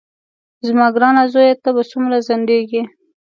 زما ګرانه زویه ته به څومره ځنډېږې.